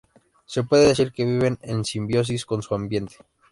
Se puede decir que viven en simbiosis con su ambiente.